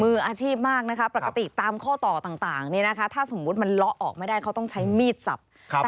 มืออาชีพมากนะคะปกติตามข้อต่อต่างนี้นะคะถ้าสมมุติมันเลาะออกไม่ได้เขาต้องใช้มีดสับ